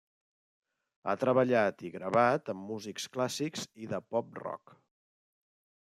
Ha treballat i gravat amb músics clàssics i de pop rock.